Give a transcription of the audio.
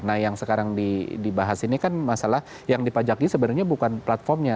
nah yang sekarang dibahas ini kan masalah yang dipajaki sebenarnya bukan platformnya